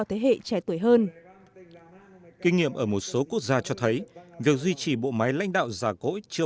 thế hệ trẻ tuổi hơn kinh nghiệm ở một số quốc gia cho thấy việc duy trì bộ máy lãnh đạo già cỗi chưa